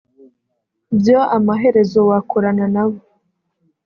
byo amaherezo wakorana nabo